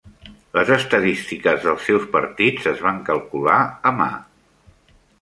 Les estadístiques dels seus partits es van calcular a mà.